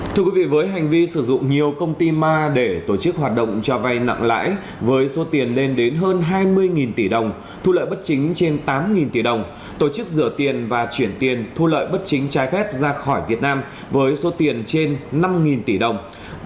thưa quý vị với hành vi sử dụng nhiều công ty ma để tổ chức hoạt động cho vay nặng lãi với số tiền lên đến hơn hai mươi tỷ đồng thu lợi bất chính trên tám tỷ đồng tổ chức rửa tiền và chuyển tiền thu lợi bất chính trái phép ra khỏi việt nam với số tiền trên năm tỷ đồng